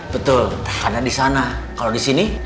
betul karena di sana kalau di sini